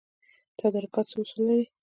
تدارکات څه اصول لري؟